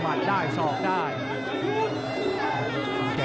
ว่าแค่สี่คำ